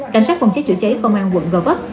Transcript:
cảnh sát phòng cháy chữa cháy công an quận gò vấp